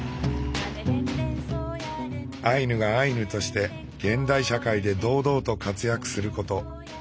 アイヌがアイヌとして現代社会で堂々と活躍すること。